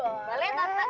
boleh ya tante